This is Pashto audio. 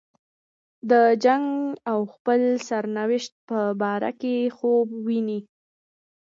د جنګ او خپل سرنوشت په باره کې خوب ویني.